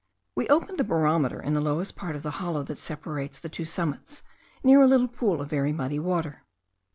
We opened the barometer in the lowest part of the hollow that separates the two summits, near a little pool of very muddy water.